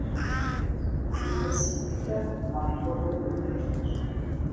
ИлъэситӀкӀэ апхуэдэу екӀуэкӀащ.